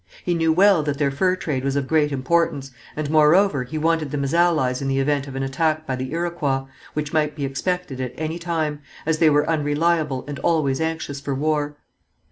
He knew well that their fur trade was of great importance, and, moreover, he wanted them as allies in the event of an attack by the Iroquois, which might be expected at any time, as they were unreliable and always anxious for war.